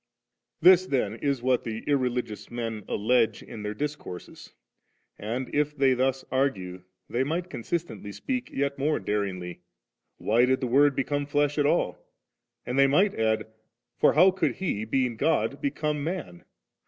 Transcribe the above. This then is what the irreligious men aUege in dieir discourses; and if they thus argue, they might consistently speak yet more damngly; *Why did the Word become flesh at all?' and they might add; 'For how could He, being God, become man?'